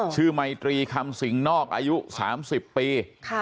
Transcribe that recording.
ไมตรีคำสิงนอกอายุ๓๐ปี